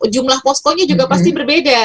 jumlah poskonya juga pasti berbeda